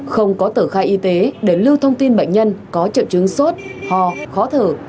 không có tờ khai y tế để lưu thông tin bệnh nhân có triệu chứng sốt ho khó thở